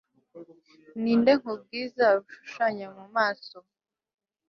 ninde, nkubwiza bushushanya mu maso